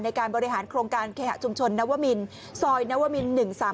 ในการบริหารโครงการเคหะชุมชนนวมินซอยนวมิน๑๓๓